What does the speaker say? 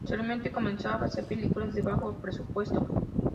Posteriormente, comenzó a hacer películas de bajo presupuesto.